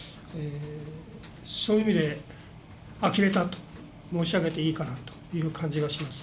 そういう意味であきれたと申し上げていいかなという感じがします。